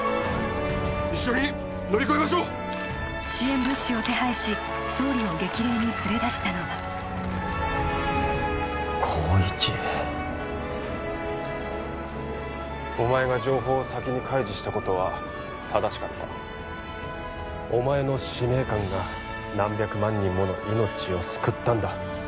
一緒に乗り越えましょう支援物資を手配し総理を激励に連れ出したのが紘一お前が情報を先に開示したことは正しかったお前の使命感が何百万人もの命を救ったんだ